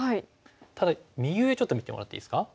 ただ右上ちょっと見てもらっていいですか。